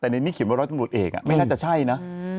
แต่ในนี้เขียนว่าร้อยตำรวจเอกไม่น่าจะใช่นะ